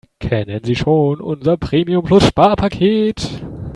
Kennen Sie schon unser Premium-Plus-Sparpaket?